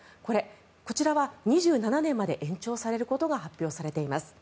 こちらは２７年まで延長されることが発表されています。